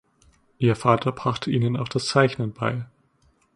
Ihr Vater brachte ihnen auch das Zeichnen bei.